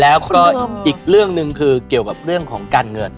แล้วก็อีกเรื่องหนึ่งคือเกี่ยวกับเรื่องของการเงิน